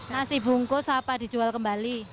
nasi bungkus apa dijual kembali